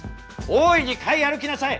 大いに買い歩きなさい。